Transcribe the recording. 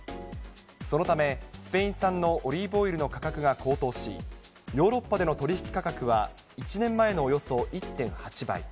そのためスペイン産のオリーブオイルの価格が高騰し、ヨーロッパでの取り引き価格は１年前のおよそ１．８倍。